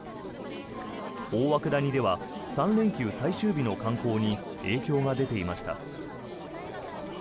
大涌谷では３連休最終日の観光に影響が出ていました。